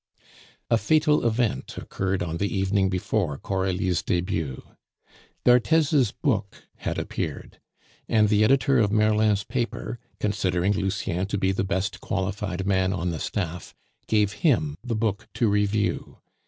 A fatal event occurred on the evening before Coralie's debut. D'Arthez's book had appeared; and the editor of Merlin's paper, considering Lucien to be the best qualified man on the staff, gave him the book to review.